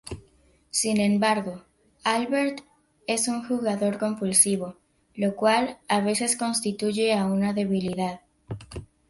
Sin embargo, Albert es un jugador compulsivo, lo cual a veces constituye una debilidad.